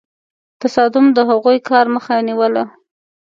تصادم د هغوی کار مخه نیوله.